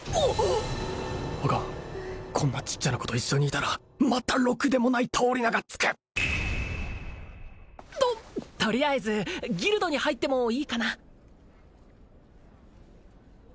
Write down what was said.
アカンこんなちっちゃな子と一緒にいたらまたろくでもない通り名がつくととりあえずギルドに入ってもいいかな？